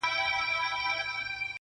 • او چي شکر کړي د خدای پر نعمتونو -